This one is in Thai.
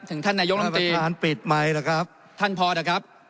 ถึงท่านนายโยคน้ำตีปิดไมค์แล้วครับท่านพอเดี๋ยวครับ